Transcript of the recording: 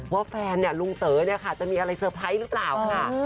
ว่าแฟนเนี่ยลุงเต๋อเนี่ยค่ะจะมีอะไรเซอร์ไพรส์หรือเปล่าค่ะ